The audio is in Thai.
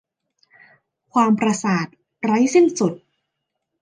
ความประสาทไร้สิ้นสุด